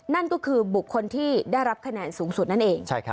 นั่นก็คือบุคคลที่ได้รับคะแนนสูงสุดนั่นเอง